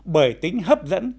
bởi tính hấp dẫn